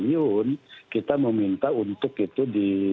jadi kita bisa mengajukan awal delapan januari